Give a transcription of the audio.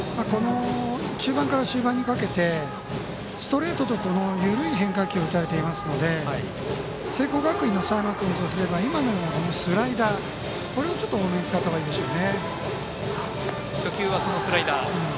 中盤から終盤にかけてストレートと緩い変化球、打たれていますので聖光学院の佐山君とすれば今のようなスライダーを多めに使ったほうがいいでしょう。